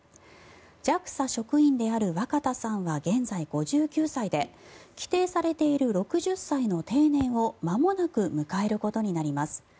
ＪＡＸＡ職員である若田さんは現在５９歳で規定されている６０歳の定年をまもなく迎えることになります。